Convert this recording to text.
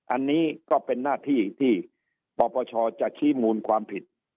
อันนี้ก็เป็นหน้าที่ที่ปปชจะชี้มูลความผิด